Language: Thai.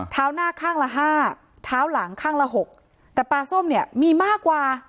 หน้าข้างละห้าเท้าหลังข้างละหกแต่ปลาส้มเนี่ยมีมากกว่า